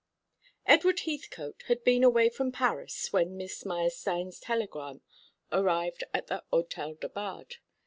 Edward Heathcote had been away from Paris when Miss Meyerstein's telegram arrived at the Hôtel de Bade.